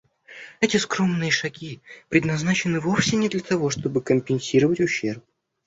Эти скромные шаги предназначены вовсе не для того, чтобы компенсировать ущерб.